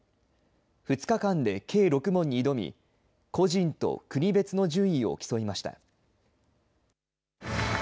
２日間で計６問に挑み、個人と国別の順位を競いました。